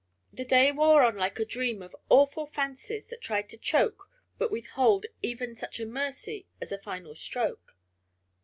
The day wore on like a dream of awful fancies that try to choke but withhold even such a mercy as a final stroke.